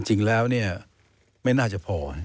จริงแล้วไม่น่าจะพอ